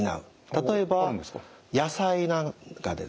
例えば野菜なんかですね。